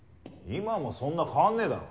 今もそんな変わんねぇだろ？